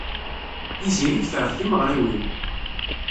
Tiziri tekṛeh timeɣriwin.